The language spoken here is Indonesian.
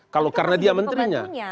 kalau karena dia menterinya